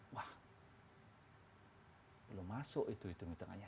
wah belum masuk itu hitung hitungannya